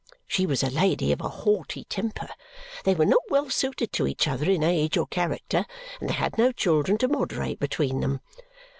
She was a lady of a haughty temper. They were not well suited to each other in age or character, and they had no children to moderate between them.